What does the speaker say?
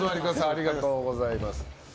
ありがとうございます。